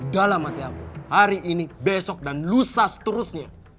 dalam hati aku hari ini besok dan lusa seterusnya